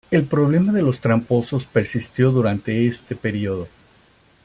El problema de los tramposos persistió durante este período.